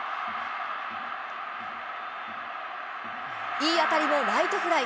いい当たりもライトフライ。